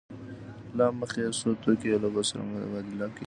له مخې یې څو توکي یو له بل سره مبادله کېږي